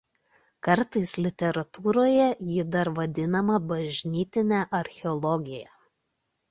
Kartais literatūroje ji dar vadinama "bažnytine archeologija".